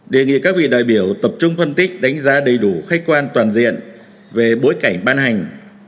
đề nghị các vị đại biểu tập trung phân tích đánh giá đầy đủ khách quan toàn diện về bối cảnh ban hành